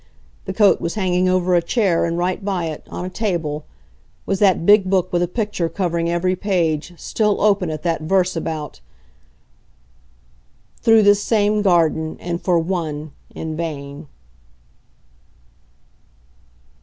The coat was hanging over a chair, and right by it, on a table, was that big book with a picture covering every page, still open at that verse about Through this same Garden and for ONE in vain!